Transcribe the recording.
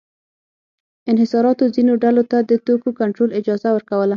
انحصاراتو ځینو ډلو ته د توکو کنټرول اجازه ورکوله.